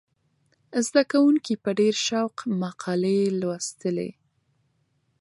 زده کوونکي په ډېر شوق مقالې لوستلې.